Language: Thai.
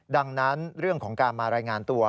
ดังนั้นเรื่องของการมารายงานตัว